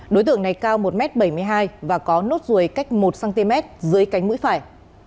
đối tượng này cao một m bảy mươi hai và có nốt ruồi cách một cm dưới cánh mũi phải